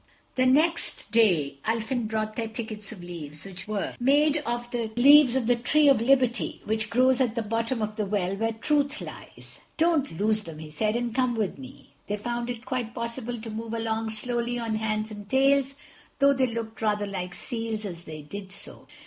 The next day Ulfin brought their tickets of leaves, made of the leaves of the tree of Liberty which grows at the bottom of the well where Truth lies. "Don't lose them," he said, "and come with me." They found it quite possible to move along slowly on hands and tails, though they looked rather like seals as they did so.